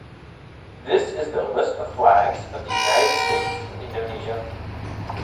This is the list of flags of the United States of Indonesia.